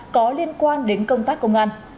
có liên quan đến công tác công an